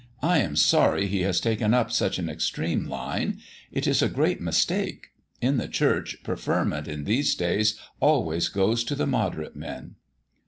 "I am sorry he has taken up such an extreme line. It is a great mistake. In the Church, preferment in these days always goes to the moderate men."